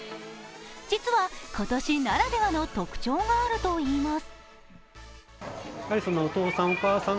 実は、今年ならではの特徴があるといいます。